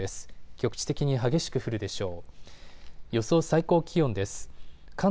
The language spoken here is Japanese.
局地的に激しく降るでしょう。